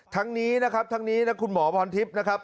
ทั้งนี้นะครับทั้งนี้นะคุณหมอพรทิพย์นะครับ